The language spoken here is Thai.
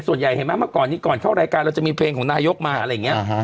เห็นไหมเมื่อก่อนนี้ก่อนเข้ารายการเราจะมีเพลงของนายกมาอะไรอย่างนี้